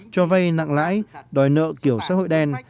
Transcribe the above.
cho vay nặng lãi đòi nợ kiểu xã hội đen